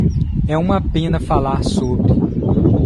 É uma pena falar sobre